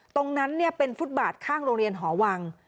ตรงนั้นเป็นฟุตบาทข้างโรงเรียนหอวัง